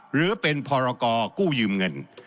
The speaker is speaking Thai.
หรือเป็นพรกู้ยืมเงิน